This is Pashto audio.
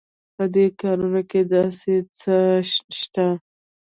په دې کاروان کې داسې څه شته.